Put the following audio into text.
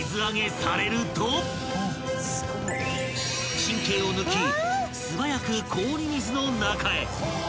［神経を抜き素早く氷水の中へ］